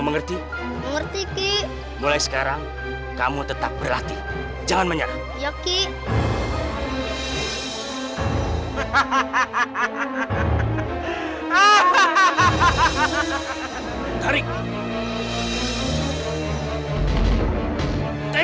mengerti mengerti mulai sekarang kamu tetap berlatih jangan menyerah yoki